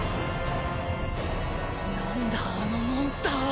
なんだあのモンスターは。